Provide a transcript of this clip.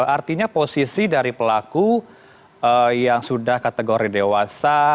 artinya posisi dari pelaku yang sudah kategori dewasa